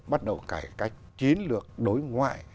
bắt đầu cải cách chiến lược đối ngoại